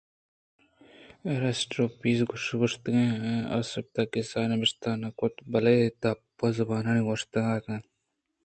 اِرسٹیوپیز ءِ گوٛشگیں اِیسُپ ءَ قصّہ نبشتہ نہ کتگ بلکیں دپ زُبانی گوٛشتگ اَنت